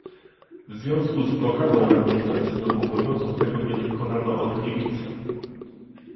W związku z blokadą administracyjną obowiązku tego nie wykonano od lipca